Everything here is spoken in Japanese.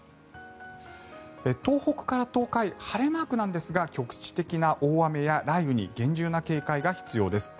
東北から東海晴れマークなんですが局地的な大雨や雷雨に厳重な警戒が必要です。